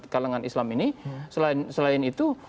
kalangan islam ini selain itu